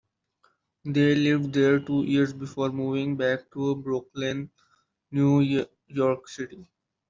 They lived there two years before moving back to Brooklyn, New York City.